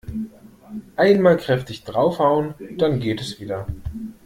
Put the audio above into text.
Einmal kräftig draufhauen, dann geht es wieder.